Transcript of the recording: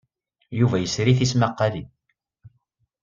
Yuba yesri tismaqqalin.